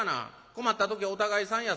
困った時はお互いさんや。